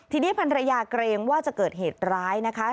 ทีนี้พันรยาเกรงว่าจะเกิดเหตุร้ายนะคะ